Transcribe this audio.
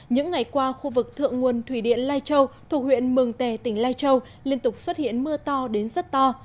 những ngày qua khu vực thượng nguồn thủy điện lai châu thuộc huyện mường tè tỉnh lai châu liên tục xuất hiện mưa to đến rất to